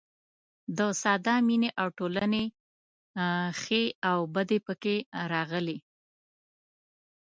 د ساده مینې او ټولنې ښې او بدې پکې راغلي.